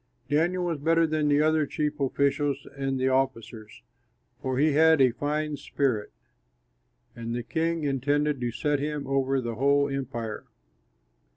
Daniel was better than the other chief officials and the officers, for he had a fine spirit; and the king intended to set him over the whole empire.